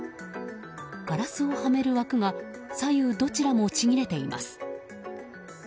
ガラスをはめる枠が左右どちらもちぎれています。